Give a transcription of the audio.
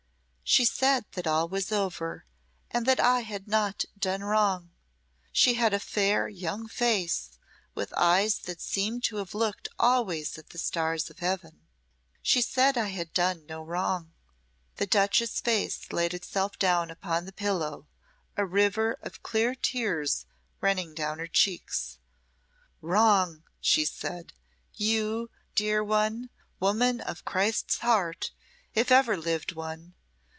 She said that all was over, and that I had not done wrong. She had a fair, young face, with eyes that seemed to have looked always at the stars of heaven. She said I had done no wrong." The duchess's face laid itself down upon the pillow, a river of clear tears running down her cheeks. "Wrong!" she said "you! dear one woman of Christ's heart, if ever lived one.